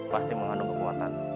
pasti mengandung kekuatan